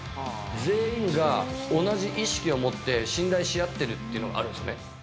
全員が同じ意識を持って、信頼し合ってるっていうのがあるんです